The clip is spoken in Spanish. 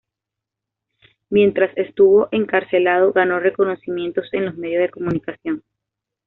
Mientras estuvo encarcelado ganó reconocimiento en los medios de comunicación.